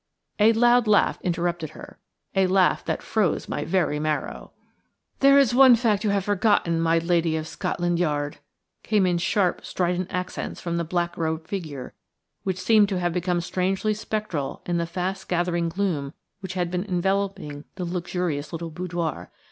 A loud laugh interrupted her–a laugh that froze my very marrow. "There is one fact you have forgotten, my lady of Scotland Yard," came in sharp, strident accents from the black robed figure, which seemed to have become strangely spectral in the fast gathering gloom which had been enveloping the luxurious little boudoir.